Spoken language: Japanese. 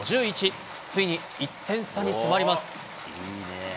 ついに１点差に迫ります。